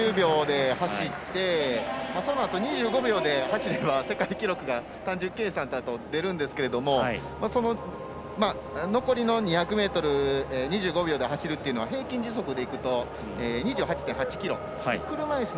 ２００を３０秒で走ってそのあと、２５秒で走れば世界記録が単純計算だと出るんですけどその残りの２００ｍ２５秒で走るというのは平均時速でいくと２８．８キロ。